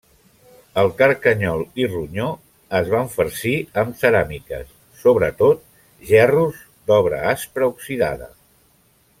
El carcanyol i ronyó es van farcir amb ceràmiques, sobretot, gerros d'obra aspra oxidada.